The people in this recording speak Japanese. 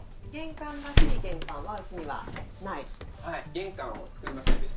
玄関を造りませんでした。